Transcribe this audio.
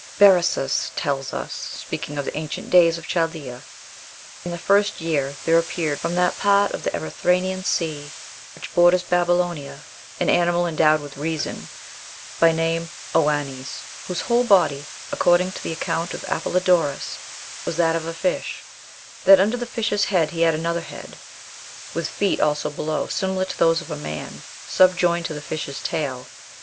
Berosus tells us, speaking of the ancient days of Chaldea, "In the first year there appeared, from that part of the Erythræan Sea which borders upon Babylonia, an animal endowed with reason, by name Oannes, whose whole body (according to the account of Apollodorus) was that of a fish; that under the fish's head he had another head, with feet also below, similar to those of a man, subjoined to the fish's tail.